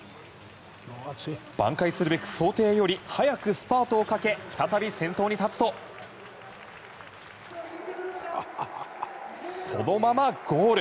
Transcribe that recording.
挽回するべく想定より早くスパートをかけ再び先頭に立つとそのままゴール。